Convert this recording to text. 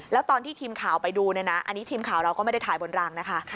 แล้วตอนที่ทีมข่าวไปดูเนี่ยนะอันนี้ทีมข่าวเราก็ไม่ได้ถ่ายบนรางนะคะ